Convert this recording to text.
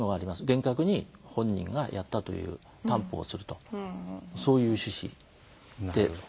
厳格に本人がやったという担保をするとそういう趣旨でなっております。